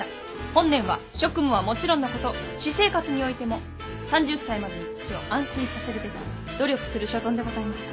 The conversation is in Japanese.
本年は職務はもちろんのこと私生活においても３０歳までに父を安心させるべく努力する所存でございます。